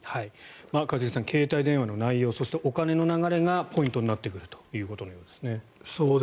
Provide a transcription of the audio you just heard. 一茂さん、携帯電話の内容そしてお金の流れがポイントになってくるということのようですね。